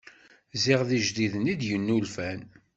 Ziɣ d ijdiden i d-yennulfan.